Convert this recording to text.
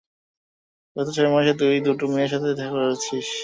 গত ছয় মাসে তুই দুটো মেয়ের সাথে দেখা করেছিস।